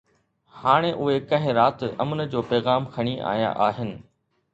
هاڻي اهي ڪنهن رات امن جو پيغام کڻي آيا آهن.